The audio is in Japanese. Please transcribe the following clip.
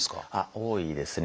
多いですね。